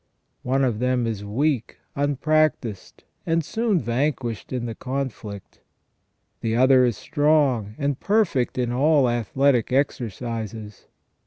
One of them is weak, unprac tised, and soon vanquished in the conflict : the other is strong, and perfect in all athletic exercises.